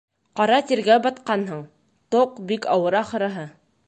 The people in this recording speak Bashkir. Ҡара тиргә батҡанһың, тоҡ бик ауыр, ахырыһы...